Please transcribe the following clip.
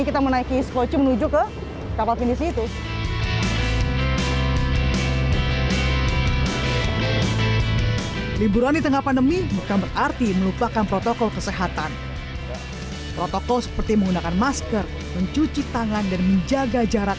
kota terkenal di indonesia adalah kota yang terkenal di indonesia